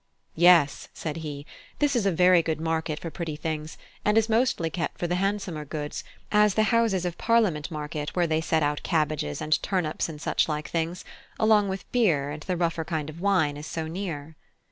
"Yes," said he, "this is a very good market for pretty things, and is mostly kept for the handsomer goods, as the Houses of Parliament market, where they set out cabbages and turnips and such like things, along with beer and the rougher kind of wine, is so near."